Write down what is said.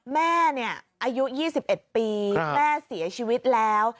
แม่อายุ๒๑ปีแม่เสียชีวิตแล้ว